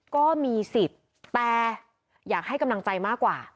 ก็มีสิทธิ์แต่อยากให้กำลังใจมากกว่า